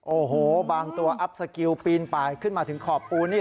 โอ้โหบางตัวอัพสกิลปีนปลายขึ้นมาถึงขอบปูนนี่